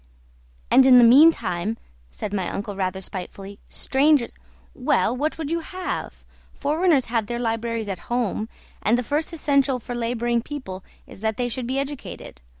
"And in the meantime," said my uncle rather spitefully, "strangers " "Well, what would you have? Foreigners have their libraries at home, and the first essential for labouring people is that they should be educated.